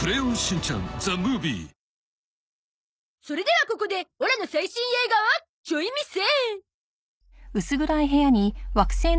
それではここでオラの最新映画をちょい見せ！